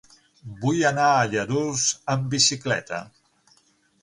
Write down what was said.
Vull anar a Lladurs amb bicicleta.